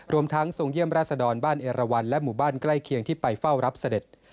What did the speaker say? รวมทั้งทรงเยี่ยมราชดรบ้านเอราวันและหมู่บ้านใกล้เคียงที่ไปเฝ้ารับเสด็จ